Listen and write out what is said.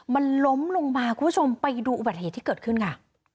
มันล้มลงมาคุณผู้ชมไปดูอุบัติเหตุที่เกิดขึ้นค่ะ